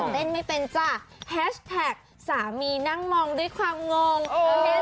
แต่เต้นไม่เป็นจ้ะสามีนั่งมองด้วยความงงเออ